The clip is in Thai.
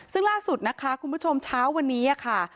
ซึ่งล่าสุดนะคะคุณผู้ชมเช้าวันนี้ค่ะ